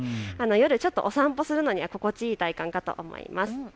夜ちょっとお散歩するには心地よい体感かと思います。